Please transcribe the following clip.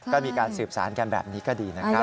ก็มีการสืบสารกันแบบนี้ก็ดีนะครับ